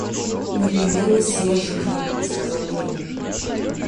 Непременно съезжу к ним, — сказал Левин.